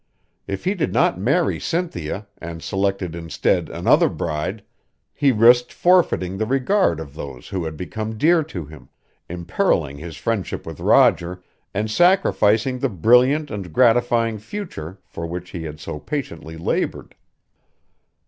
If he did not marry Cynthia and selected instead another bride, he risked forfeiting the regard of those who had become dear to him, imperilling his friendship with Roger, and sacrificing the brilliant and gratifying future for which he had so patiently labored.